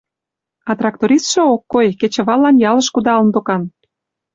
А трактористше ок кой: кечываллан ялыш кудалын докан.